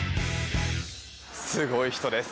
すごい人です。